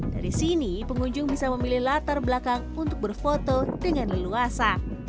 dari sini pengunjung bisa memilih latar belakang untuk berfoto dengan leluasa